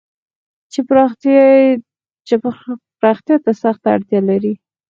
چې پراختيا ته سخته اړتيا لري.